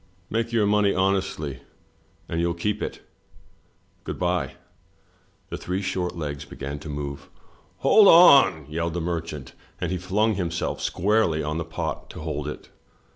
Make your money honestly, and you'll keep it — Good bye." The three short legs began to move. "Hold on!" yelled the merchant, and he flimg himself squarely on the pot to hold it.